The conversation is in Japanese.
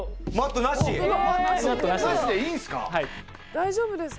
大丈夫ですか？